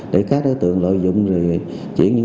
để các đối tượng gọi điện